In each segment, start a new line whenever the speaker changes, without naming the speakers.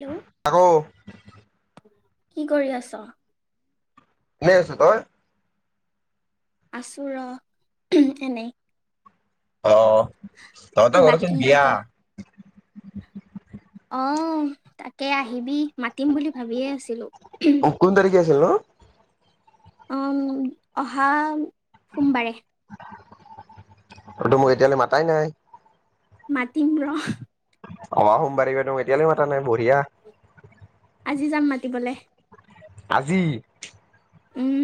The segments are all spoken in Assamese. হেল্ল'
আকৌ
কি কৰি আছো?
এনেই আছো। তই?
আচু ৰ এনেই।
অ তহঁতে ঘৰতচোন
বাকী
বিয়া।
আহ তাকে আহিবি, মাতিম বুলি ভাবিয়ে আছিলো।
কোন তাৰিখে আছিল ন?
অ অহা সোমবাৰে।
আৰুতো মোক এতিয়ালৈ মাতাই নাই।
মাতিম ৰ।
অ সোমবাৰীব ত এতিয়ালৈ মাতা নাই বঢ়িয়া।
আজি যাম মাতিবলৈ।
আজি?
উম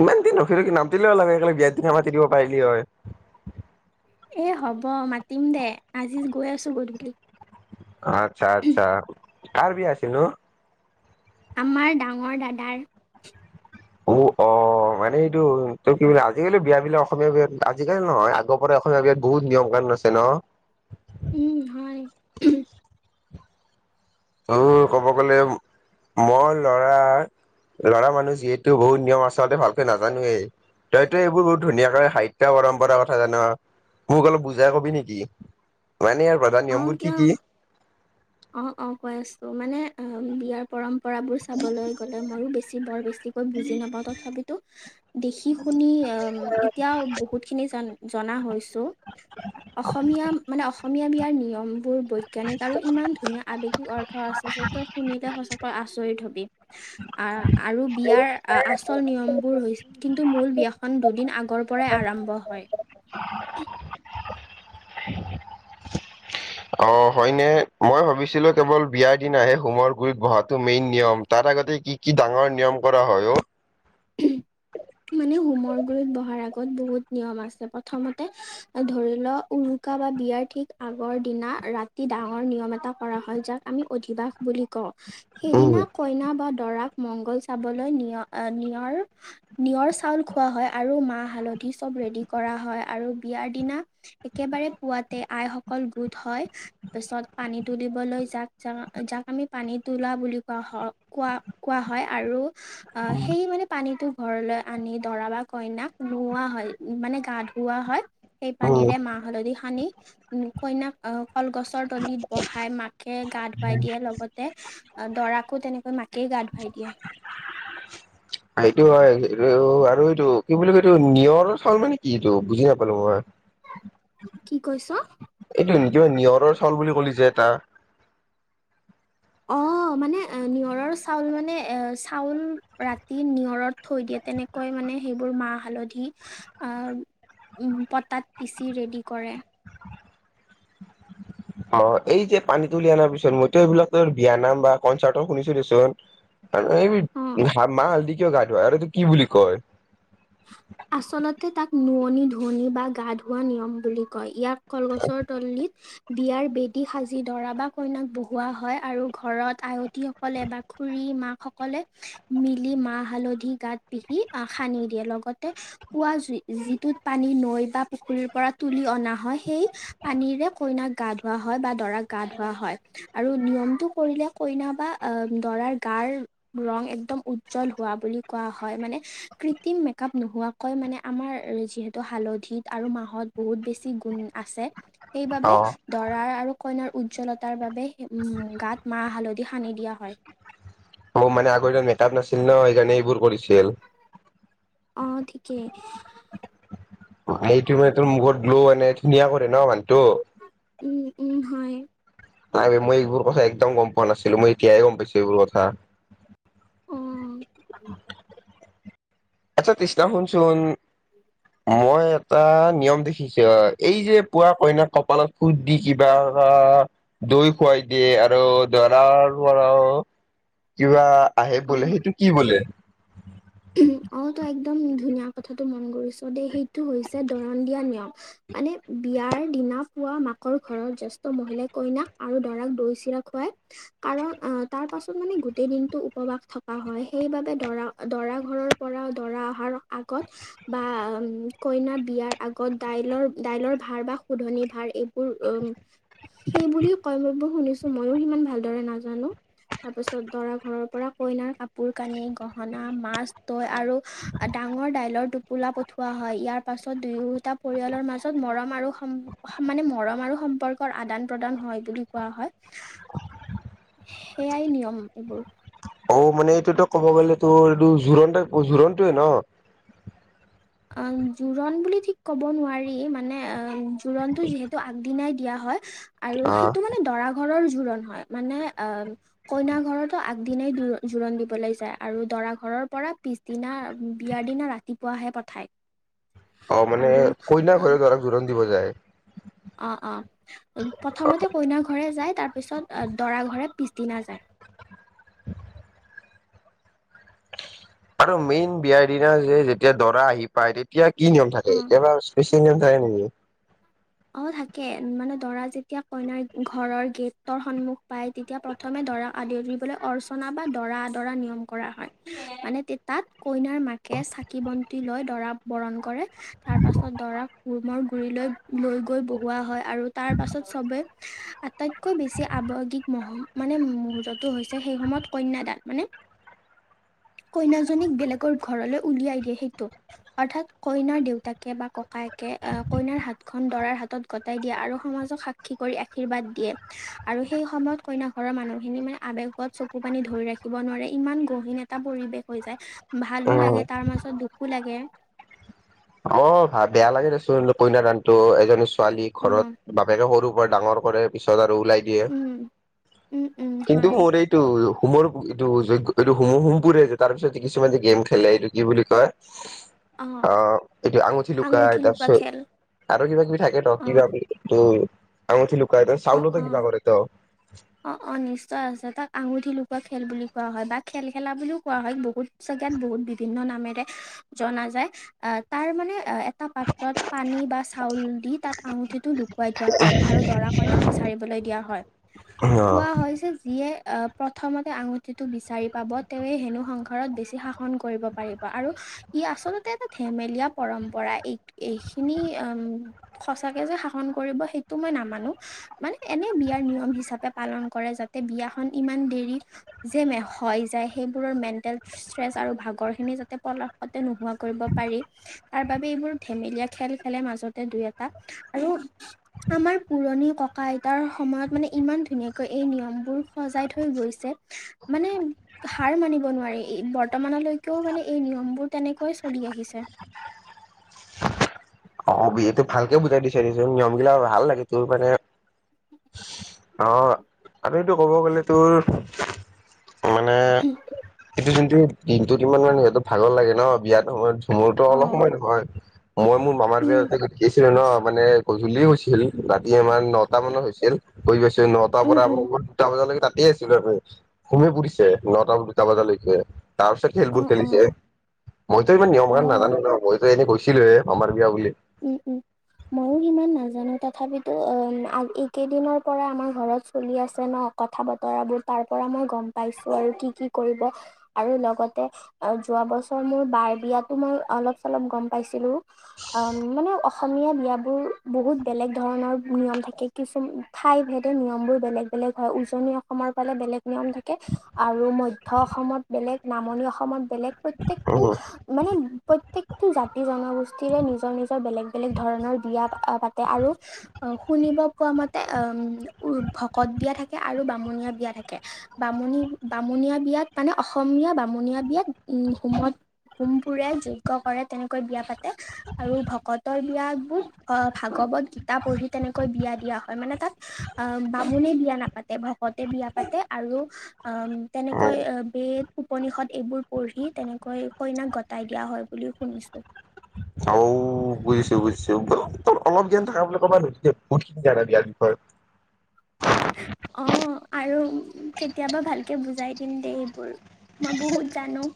ইমান দিন নখি কি নামটোলে ওলাগেে বিয়াত দি ধ মাতি দিব পাৰিলি হয়।
এ হ'ব মাতিম দে আজি গৈ আছো গধূলি।
আচ্ছা আচ্ছা কাৰ বি আছে নো।
আমাৰ ডাঙৰ দাদাৰ।
উ অ মানে এইটো তই কি বুলিোলে আজিকালি বিয় বিলাক অসমীয়া বিয়া আজিকালি নহয় আগৰ পৰা। অসমীয়া বিয়াত বহুত নিয়ম কান আছে ন?
উম হয়।
উ ক'ব গ'লে মই। ল'ৰাৰ
[inaudible]
লৰা মানুহ যিহেতু বহুত নিয়ম আচলতে ভালকৈ নাজানোৱেই। তইতো এইবোৰ বহুত ধুনীয়াকৈ সাহিত্য পৰম্পৰাৰ কথা জান। মোক অলপ বুজাই কবি নেকি? মানে ইয়াৰ প্ৰধান
অ
নিয়মবোৰ কি
কিয়,
কি?
অ অ কৈ আছো মানে আ বিয়াৰ পৰম্পৰাবোৰ চাবলৈ গ'লে ময়ো বেছি বৰ বেছিকৈ বুজি নাপাওঁ তথাপিতো দেখি শু শুনি অ এতিয়া বহুত খিনি জান জনা হৈছো। অসমীয়া মানে অসমীয়া বিয়াৰ নিয়মবোৰ বৈজ্ঞানিক আৰু ইমান ধুনীয়া আৱেগিক অৰ্থ আছে যে তই শুনিলে সচাঁকে আচৰিত হবি আহ আৰু বিয়াৰ আচল নিয়মবোৰ হৈ কিন্তু মূল বিয়াখন দুদিন আগৰ পৰাই আৰম্ভ হয়।
অ হয়নে, মই ভাবিছিলো কেৱল বিয়াৰ দিনাহে হোমৰ গুৰিত বহাতো মেইন নিয়ম তাৰ আগ তে কি কি ডাঙৰ নিয়ম কৰা হয় অ'
উম মানে হোমৰ গুৰিত বহাৰ আগত বহুত নিয়ম আছে প্ৰথমতে ধৰি লও উৰু -কা বা বিয়াৰ ঠিক আগৰ দিনা ৰাতি ডাঙৰ নিয়ম এটা কৰা হয় যাক আমি অধিবাস বুলি কওঁ।
উম,
সেইদিনা কইনা বা দৰাক মংগল চাবলৈ নিয় অ নি নিয়ৰ চাউল খোৱা হয় আৰু মাহ হালধি চব ৰেডি কৰা হয় আৰু বিয়াৰ দিনা একেবাৰে পুৱাতে আইসকল গোট হয় তাৰ পাছত পানী তুলিবলৈ যাক যাক যাক আমি পানী তোলা বুলি কোৱা হয় কোৱা কোৱা হয় আৰু সেই মানে পানীতো ঘৰলৈ আনি দৰা বা কইনাক নোওৱা হয় মানে গা ধুওৱা হয়। সেই
উম।
পানীৰে মাহ হালধি সানি উম কইনাক অ কলগছৰ তলিত বহাই মাকে গা ধুৱাই দিয়ে। লগতে দৰাক আকৌ তেনেকৈ মাকেই গা ধুৱাই দিয়ে।
সেইটো হয়, এই আৰু এইটো কি বুলি ক এইটো নিয়ৰ চাউল মান নে কি এইটো বুজি নাপালো মই।
কি কৈছ।
এইটো নিজৰ নিয়ৰৰ চাউল বুলি ক'লি যে এটা
অঁ অ' মানে নিয়ৰৰ চাউল মানে অ' চাউল ৰাতি নিয়ৰত থৈ দিয়ে তেনেকৈ ম মানে সেইবোৰ মাহ হালধি আ উম পটাত পিচি ৰেডি কৰে।
অ এই যে পানীত তুলি অনাৰ পিছত মইতো এইবিলাক বিয়া নাম বা কনচাৰ্ট শুনিছো দেচোন। এই
অ
মাহ হালধি কিয় গা ধুৱাই! আৰু এইটো কি বুলি কয়?
আচলতে তাক নুৱনি-ধুৱনি বা গা ধোঁৱা নিয়ম বুলি কয়! ইয়াক কলগছৰ তলিত বিয়াৰ বেদী সাজি দৰা বা কইনাক বহুওৱা হয়, আৰু ঘৰত আয়তীসকলে বা খুৰী মাক সকলে মিলি মা'হ হালধি গাত পিহি আহ সানি দিয়ে, লগতে পুৱা যিটোত পানী নৈ বা পুখুৰীৰ পৰা তুলি অনা হয় সেই পানীৰে কইনাক গা ধোৱা হয় বা দৰাক গা ধোৱা হয়, আৰু নিয়মটো কৰিলে কইনা বা অ' দৰাৰ গাৰ ৰং একদম উজ্জ্বল হোৱা বুলি কোৱা হয়। মানে মেকআপ নোহোৱাকৈ মানে আমাৰ যিহেতু হালধিত আৰু মা'হত বহুত বেছি গুণ আছে। সেইবাবে দৰাৰ আৰু কইনাৰ উজ্জ্বলতাৰ বাবে উম গাত মাহ হালধি সানি দিয়া হয়।
অ' মানে আগৰ দিনত মেকআপ নাছিল ন সেইকাৰণে এইবোৰ কৰিছিল।
অ' ঠিকেই।
সেইটো মানে তোৰ মুখত গ্লো আনে ধুনীয়া কৰে ন মানুহটো।
উম উম হয়।
নাই বে মই এইবোৰ কথা একদম গম পোৱা নাছিলো, মই এতিয়াহে গম পাইছো এইবোৰ কথা।
অ
[inaudible] আচ্ছা তৃষ্ণা শুনচোন মই এটা নিয়ম দেখিছো, এই যে পুৱা কইনাক কপালত ফুট দি কিবা বা দৈ খুৱাই দিয়ে, আৰু দৰাৰ পৰাও কিবা আহে
অ
বোলে, সেইটো কি বোলে।
অ একদম ধুনীয়া কথাটো মন কৰিছ দেই, সেইটো হৈছে দৰন দিয়া নিয়ম মানে বিয়াৰ বিয়াৰ দিনা পুৱা মাকৰ ঘৰত জেষ্ঠ মহিলাই কইনাক আৰু দৰাক দৈ চিৰা খুৱাই। কাৰণ অ' তাৰ পাছত মানে গোটেই দিনটো উপবাস থকা হয়। সেইবাবে দৰা দৰা ঘৰৰ পৰা দৰা অহাৰ আগত বা কইনাৰ বিয়াৰ আগত দাই দাইলৰ ভাৰ বা শোধনি ভাৰ এইবোৰ সেই বুলিও কয়, মই শুনিছো মইও সিমান ভালদৰে নাজানো। তাৰ পিছত দৰা ঘৰৰ পৰা কইনাৰ কাপোৰ কানি গহ ণা মাছ দৈ আৰু ডাঙৰ দাইলৰ টোপোলা পঠৱা হয়। ইয়াৰ পাছত দুয়োটা পৰিয়ালৰ মাজত মৰম আৰু সমানে মৰম আৰু সম্পৰ্কৰ আদান প্ৰদান হয় বুলি কোৱা হয়। সেইয়াই নিয়ম এইবোৰ।
অ' মানে এইটোতো ক'ব গ'লে তো এইটো জোৰণ তাইপ জোৰণটো ন।
অ' জোৰোণ বুলি ঠিক ক'ব নোৱাৰি, মানে অ' জোৰণতটো যিহেতু আগদিনাই দিয়া হয়, আৰু
অ
সেইটো মানে দৰা ঘৰৰ জোৰণ হয়, মানে অ' কইনা ঘৰৰতো আগদিনাই জোৰণ দিবলৈ যায়। আৰু দৰা ঘৰত ৰৰ পৰা পিছদিনা বিয়াৰ দিনা ৰাতিপুৱাহে পঠায়।
অ' মানে
আৰু
কইনা
অ',
ঘৰে ধৰক জোৰোণ দিব যায়
অ' অ' প্ৰথমতে কইনা ঘৰে যায়, তাৰ পিছত দৰা ঘৰে পিছদিনা যায়।
আৰু মেইন বিয়াৰ দিনা যে যেতিয়া দৰা আহি পায় তেতিয়া কি নিয়ম
অ'।
থাকে কিবা স্পে [unintelligible] নেকি?
অ', থাকে মানে দৰা যেতিয়া কইনাৰ ঘৰৰ গেটৰ সন্মুখ পাই তেতিয়া প্ৰথমে দৰা আদৰিবলৈ অৰ্চনা বা দৰা আদৰা নিয়ম কৰা হয় মানে তাত কইনাৰ মাক কে চাকি বন্তি লৈ দৰা বৰণ কৰে তাৰ পাছত দৰা সুমৰ গুৰিলৈ লৈ গৈ বহোৱা হয় আৰু তাৰ পাছত চবে আটাইতকৈ বেছি আৱেগিক মহ মান মানে মুহূৰ্ততটো হৈছে সেই সময়ত কন্যাদান মানে কইনাজনীক বেলেগৰ ঘৰলৈ উলিয়াই দিয়ে সেইটো অৰ্থাৎ কইনাৰ দেউতাকে বা ককায়েকে কইনাৰ হাত খন দৰাৰ হাতত গটাই দিয়ে, আৰু সমাজক সাক্ষী কৰি আশীৰ্বাদ দিয়ে। আৰু সেই সময়ত কইনা ঘ ৰৰ মানুহখিনি মানে আৱেগত চকু পানী ধৰি ৰাখিব নোৱাৰে, ইমান গহীন এটা পৰিবেশ হৈ যায়। ভাল ভালো
উম
লাগে তাৰ মাজত দুখো লাগে।
অ' ভাই বেয়া লাগে দেচোন কইনা দানটো, এজন ছোৱালী
অ
ঘৰত বাপেকে সৰু পৰা ডাঙৰ কৰে, পিছত আৰু ওলাই দিয়ে।
উম উম উম
কিন্তু
হয়
মোৰ এইটো হো'মৰ এইটো যজ্ঞ এইটো হুম হোম পুৰে যে তাৰপিছত কিছুমান যে গেম খেলে এইটো কি বুলি কয় অ' এইটো আঙুঠি লুকাই, তাৰ
লুকুৱা
পিছত
খেল
আৰু কিবা কিবি থাকে ত
অ
কিবা আঙঠি লুকাই,
অ
চাউলত
অ
কিবা কৰে তো।
অ', অ', নিশ্চয় আছে। তাক আঙুঠি লুকুৱা খেল বুলি কোৱা হয় বা খেল খেলা বুলিও কোৱা হয় বহুত াত বহুত বিভিন্ন নামেৰে জনা যায়, আহ তাৰ মানে এটা পাত্ৰত পানী বা চাউল দি তাত আঙুঠিটো লুকুৱাই থোৱা হয় আৰু দৰা কইনাক বিচৰি বলৈ দিয়া হয়।
অ
কোৱা হৈ যে যিয়ে প্ৰথমতে আঙুঠিটো বিচাৰি পাব তেৱে হেনু সংসাৰত বেছি শাসন কৰিব পাৰিব আৰু ই আচলতে এটা ধেমেলীয়া পৰম্পৰা, এই, এইখিনি উম সচাকে যে শাসন কৰিব সেইটো মই নামানো মানে এনে বিয়াৰ নিয়ম হিচাপে পালন কৰে যাতে বিয়াখন ইমান দেৰি যে হৈ যায় সেইবোৰৰ মেণ্টেল ষ্ট্ৰেচ আৰু ভাগৰ খিনি যাতে পলশতে নোহোৱা কৰিব পাৰি তাৰ বাবে এইবোৰ ধেমেলীয়া খেল খেলে মানু মাজতে দুই এটা। আৰু আমাৰ পুৰণি ককা আইতাৰ সময়ত মানে ইমান ধুনীয়া কৈ এই নিয়মবোৰ সজাই থৈ গৈছে মানে হাৰ মানিব নোৱাৰি বৰ্তমানৰ লৈকেও মানে এই নিয়মবোৰ তেনেকৈ চলি আহিছে।
অ', বে এইটো ভালকে বুজাই দিছে দেচোন নিয়ম গিলা ভাল লাগে তোৰ মানে
[unintelligible]
অ', আৰুটো ক'ব গ'লে তোৰ
উম।
সেইটো কিন্তু দিনটোত কি ইমান মানে সিহঁতৰ ভাগৰ লাগে ন বিয়াত সময়ত মোৰতো
অ
অলপ সময় নহয়, মই মোৰ মামাৰ
উম
বিয়াতে [unintelligible] ন মানে গধূলি হৈছিল ৰাতি আমাৰ নটা মানত হৈছিল কৰি পাইছো নটাৰ
উম
পৰা আ
উম
দুটা বজালৈকে তাত তে আছিলো আমি, সুমও পুৰিছিলে নটা দুটা বজালৈকে। তাৰ পিছত
অ
খেলবোৰ
অ
খেলিছে। মইতো ইমান নিয়ম
অ
কাৰণ নাজানো ন মইতো এনেই গৈছিলোহে মমাৰ বিয়া বুলি।
উম, উম। ময়ো সিমান নাজানো তথাপিতো অ এইকেইদিনৰ পৰা আমাৰ ঘৰত চলি আছে ন? কথা বতৰাবোৰ, তাৰ পৰা মই গম পাইছোঁ আৰু কি কি কৰিব আৰু লগতে যে যোৱা বছৰ মোৰ বাৰ বিয়াতো মই অলপ চলপ গম পাইছিলো। মানে অসমীয়া বিয়াবোৰ বহুত বেলেগ ধৰণৰ নিয়ম থাকে কিছু, ঠাই ভেদে নিয়ম বোৰ বেলেগ বেলেগ হয় উজনি অসমৰ ফালে বেলেগ নিয়ম থাকে আৰু মধ্য অসমত বেলেগ নামনি অসমত বেলেগ প্ৰত্যেকটো
উম
মানে প্ৰত্যেকটো জাতি জনগোষ্ঠীৰে নিজৰ নিৰ নিজৰ বেলেগ বেলেগ ধৰণৰ বিয়া পাতে আৰু শুনিব পোৱা মতে উ ভকত বিয়া থাকে আৰু বামুণীয়া বিয়া থাকে। বামুণী বামুণীয়া বিয়াত মানে অসমীয়া বামুণীয়া বিয়াত উম হোমত হোমবোৰে যজ্ঞ কৰে তেনেকৈ বিয়া পাতে আৰু ভকতৰ বিয় বোৰ ভাগৱত গীতা পঢ়ি তেনেকৈ বিয়া দিয়া হয় মানে তাত আহ বামুণে বিয়া নাপাতে ভকতে বিয়া পাতে আৰু উম
উম
তেনেকৈ বদ উপনিষত এইবোৰ পঢ়ি তেনেকৈ কইনাক গতাই দিয়া হয় বুলি শুনিছো।
হ বুজিছো বুজিছো তোৰ অলপ জ্ঞান থাককা বুলি ক'বা ন যে বহুত খিনি জানা বিয়াৰ বিষয়ে
অ আৰু কেতিয়াবা ভালকে বুজাই দিম দেই এইবোৰ মই বহুত জানো।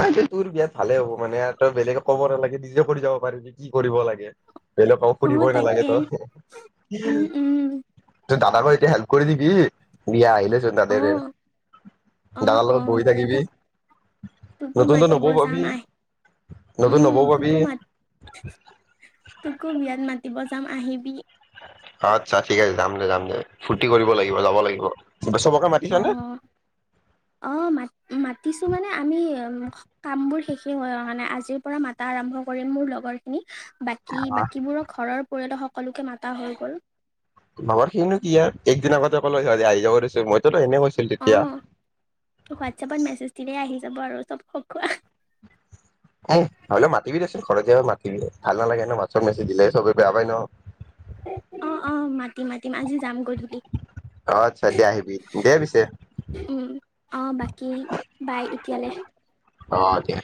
আই তে তোৰ বিয়াত ভালে হ'ব মানে আৰু তই বেলেগে ক'ব নালাগে নিজে কৰি যাব পাৰি যে কি কৰিব লাগে। বেলেগক
অ
শুধিব নালাগে
তাকে
ত।
উম উম
তোৰ দাদাকৰ এতিয়া হেল্প কৰি দিবি, বিয়া আহি
অ অ
[unintelligible] ডাঙাৰ
অ
লগত বহি থাকিবি।
তকো
নতুন নতুন
মাতিব
নবৌ
যাম
পাবি
আহ,
নতুন
উম,
নবৌ পাবি
তোকও মাত তোকো বিয়াত মাতিব যাম আহিবি।
আচ্ছা, ঠিক আছে যাম দে যাম দে ফূৰ্তি কৰিব লাগে যাব লাগিব, চবকে মাতিছ
অ
নে?
কিছু মানে আমি কামবোৰ শেষে হৈ অ মানে আজিৰ পৰা মাতা আৰম্ভ কৰিম মোৰ লগৰখিনি। বাকী বাকীবোৰৰ ঘৰৰ পৰিয়ালৰ সকলোকে মাতা হৈ গ'ল।
লগৰখিনি নো কি আৰু একদিন আগত কলে সিহঁতে আহি যাব দেচোন, মইটো
অ হোৱাটছাপত মেছেজ দিলেই আহি যাব আৰু চব খকোৱা। [inaudible]
এ হলে মাতিবি দি দেচোন ঘৰতে মাতি ভাল নালাগে ন মাছত মেচি দিলে চবে বেয়া পায় ন।
অ অ মাতিম মাতিম আজি যাম গধূলি।
অ আচ্ছা দে আহিবি দে পিছে
উম অ বাকী বাই ইত কেনে
অ দে